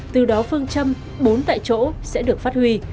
từ đó phương châm bốn tại chỗ sẽ được phát huy